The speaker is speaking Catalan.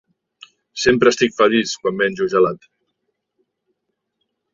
Sempre estic feliç quan menjo gelat.